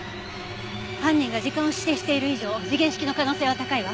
犯人が時間を指定している以上時限式の可能性は高いわ。